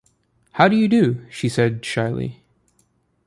"How do you do," she said shyly.